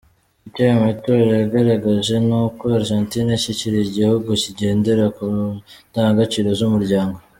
"Icyo aya matora yagaragaje, ni uko Argentina kikiri igihugu kigendera ku ndangagaciro z'umuryango.